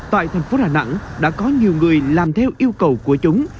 tại thành phố đà nẵng đã có nhiều người làm theo yêu cầu của chúng